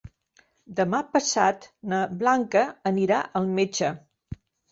Demà passat na Blanca anirà al metge.